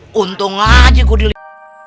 wah untung aja gua dilihat